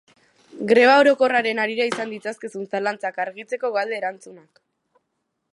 Greba orokorraren harira izan ditzakezun zalantzak argitzeko galde-erantzunak.